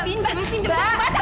itu kan mbak irsa